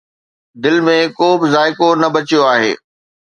دل ۾ ڪو به ذائقو نه بچيو آهي